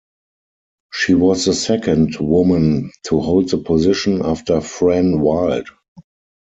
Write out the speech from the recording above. She was the second woman to hold the position, after Fran Wilde.